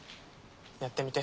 やってみて。